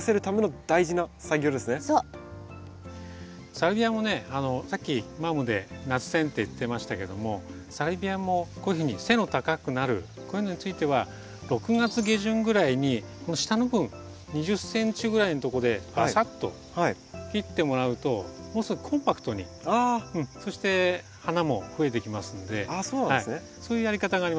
サルビアもねさっきマムで夏せん定って言ってましたけどもサルビアもこういうふうに背の高くなるこういうのについては６月下旬ぐらいにこの下の部分２０ｃｍぐらいのとこでバサッと切ってもらうとものすごいコンパクトにそして花も増えてきますのでそういうやり方があります。